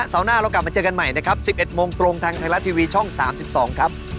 หน้าเรากลับมาเจอกันใหม่นะครับ๑๑โมงตรงทางไทยรัฐทีวีช่อง๓๒ครับ